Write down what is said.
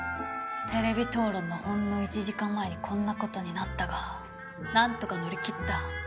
テレビ討論のほんの１時間前にこんな事になったがなんとか乗り切った。